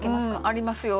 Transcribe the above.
ありますよ。